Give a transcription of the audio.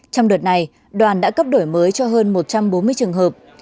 trong đợt này đoàn đã cấp đổi mới cho hơn một trăm bốn mươi trường hợp